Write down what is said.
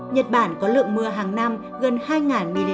nhật bản có lượng mưa hàng năm gần hai mm